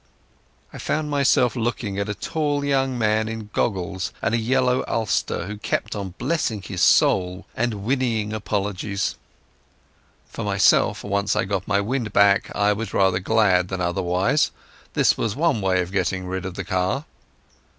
I found myself looking at a tall young man in goggles and a leather ulster, who kept on blessing his soul and whinnying apologies. For myself, once I got my wind back, I was rather glad than otherwise. This was one way of getting rid of the car.